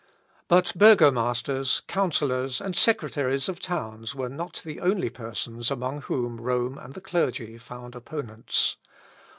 But burgomasters, councillors, and secretaries of towns, were not the only persons among whom Rome and the clergy found opponents.